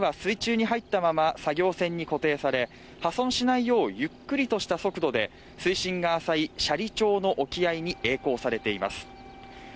現在船は水中に入ったまま作業船に固定され破損しないようゆっくりとした速度で水深が浅い斜里町の沖合にえい航されています